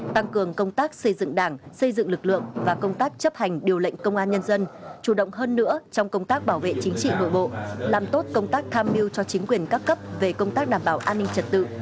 tăng cường công tác xây dựng đảng xây dựng lực lượng và công tác chấp hành điều lệnh công an nhân dân chủ động hơn nữa trong công tác bảo vệ chính trị nội bộ làm tốt công tác tham mưu cho chính quyền các cấp về công tác đảm bảo an ninh trật tự